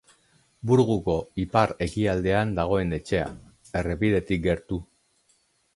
Burguko ipar-ekialdean dagoen etxea, errepidetik gertu.